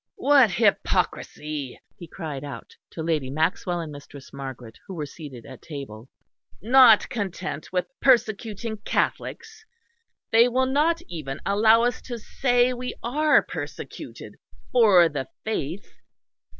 "What hypocrisy!" he cried out to Lady Maxwell and Mistress Margaret, who were seated at table. "Not content with persecuting Catholics, they will not even allow us to say we are persecuted for the faith.